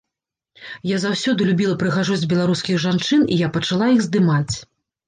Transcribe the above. Я заўсёды любіла прыгажосць беларускіх жанчын і я пачала іх здымаць.